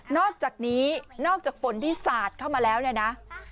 อกจากนี้นอกจากฝนที่สาดเข้ามาแล้วเนี่ยนะ